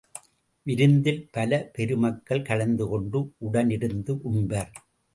விருந்தில் பல பெருமக்கள் கலந்து கொண்டு உடனிருந்து உண்பர்.